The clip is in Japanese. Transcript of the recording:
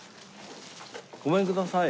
ごめんください。